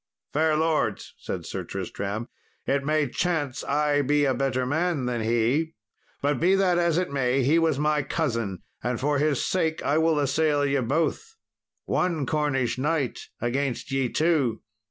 "Fair lords," said Sir Tristram, "it may chance I be a better man than he; but, be that as it may, he was my cousin, and for his sake I will assail ye both; one Cornish knight against ye two."